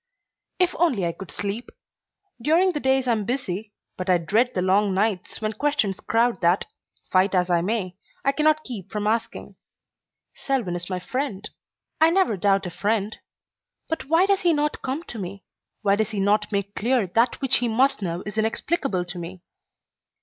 If only I could sleep! During the days I am busy, but I dread the long nights when questions crowd that, fight as I may, I cannot keep from asking. Selwyn is my friend. I never doubt a friend. But why does he not come to me? Why does he not make clear that which he must know is inexplicable to me?